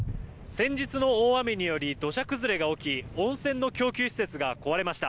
先日の大雨により土砂崩れが起き温泉の供給施設が壊れました。